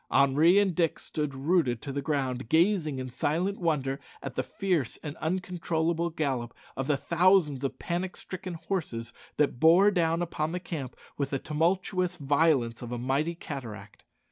Henri and Dick stood rooted to the ground, gazing in silent wonder at the fierce and uncontrollable gallop of the thousands of panic stricken horses that bore down upon the camp with the tumultuous violence of a mighty cataract.